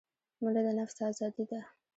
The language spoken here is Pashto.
منډه د نفس آزادي ده